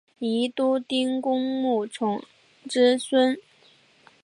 宜都丁公穆崇之孙。